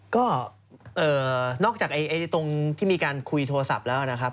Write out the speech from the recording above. ก็นอกจากตรงที่มีการคุยโทรศัพท์แล้วนะครับ